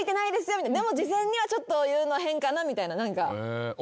でも事前にはちょっと言うの変かな？みたいな。